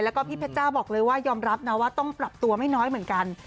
แล้วก็พี่เพชรจ้าบอกเลยว่ายอมรับนะว่าต้องปรับตัวไม่น้อยเหมือนกัน